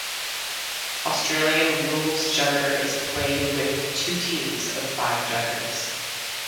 Australian Rules Jugger is played with two teams of five juggers.